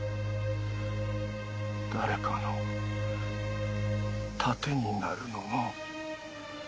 誰かの盾になるのも。